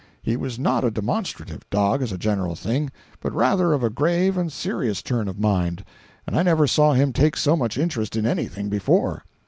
He was not a demonstrative dog, as a general thing, but rather of a grave and serious turn of mind, and I never saw him take so much interest in anything before.